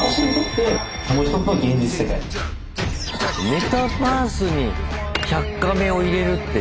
メタバースに１００カメを入れるって。